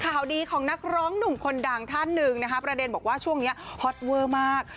ข่าวดีของนักร้องหนุ่มคนดังท่านหนึ่งนะคะประเด็นบอกว่าช่วงนี้ฮอตเวอร์มาก